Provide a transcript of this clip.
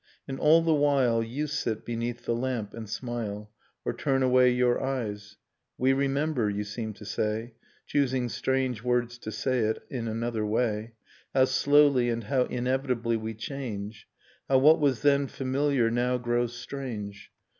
And all the while You sit beneath the lamp, and smile, Or turn away your eyes. We remember, you seem to say, — Choosing strange words to say it, in another way, — How slowly and how inevitably we change. How what was then familiar now grows strange